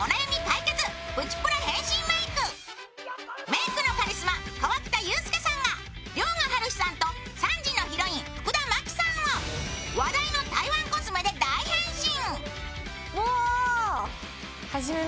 メイクのカリスマ、河北裕介さんが遼河はるひさんと３時のヒロイン、福田麻貴さんを話題の台湾コスメで大変身。